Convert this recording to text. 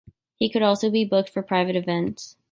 He could also be booked for private events.